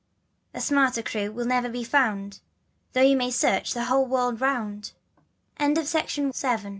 And a smarter crew will never be found, Though you may search the whole world round HIE FOR CHRIS